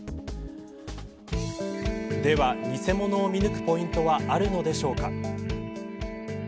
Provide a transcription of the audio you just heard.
では偽物を見抜くポイントはあるのでしょうか。